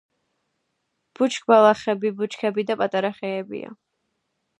ბუჩქბალახები, ბუჩქები და პატარა ხეებია.